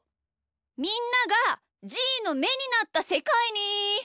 みんながじーのめになったせかいに。